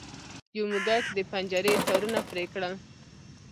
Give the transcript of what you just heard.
یو موږک د پنجرې تارونه پرې کړل.